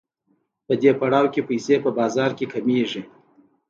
په دې پړاو کې پیسې په بازار کې کمېږي